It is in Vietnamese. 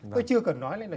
tôi chưa cần nói lên là